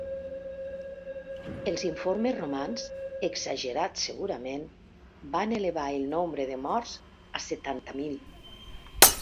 Els informes romans, exagerats segurament, van elevar el nombre de morts a setanta mil.